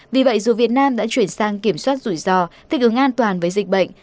vì vậy dù việt nam đã chuyển sang kiểm soát rủi ro thích ứng an toàn với dịch bệnh